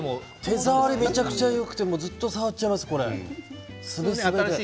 手触りがすごいよくてずっと触っちゃいます。